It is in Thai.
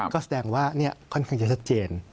ก็แสดงว่าค่อนข้างจะชัดเจน